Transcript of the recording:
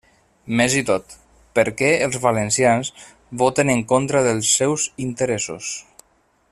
Més i tot, ¿per què els valencians voten en contra dels seus interessos?